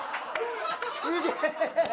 すげえ！